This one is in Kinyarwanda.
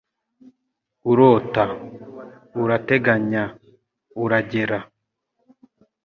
Urota. Urateganya. Uragera. ”